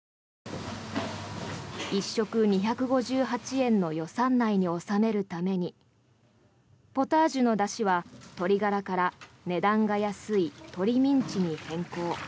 １食２５８円の予算内に収めるためにポタージュのだしは、鶏ガラから値段が安い鶏ミンチに変更。